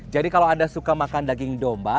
jadi kalau anda suka makan daging domba